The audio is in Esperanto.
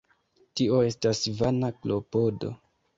Tio estas vana klopodo.